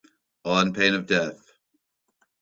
On pain of death